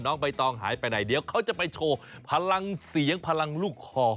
ใบตองหายไปไหนเดี๋ยวเขาจะไปโชว์พลังเสียงพลังลูกคอ